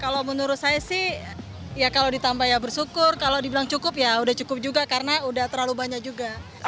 kalau menurut saya sih ya kalau ditambah ya bersyukur kalau dibilang cukup ya udah cukup juga karena udah terlalu banyak juga